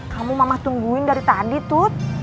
kamu mama tungguin dari tadi tuh